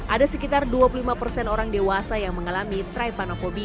ada sekitar dua puluh lima persen orang dewasa yang mengalami tripanofobia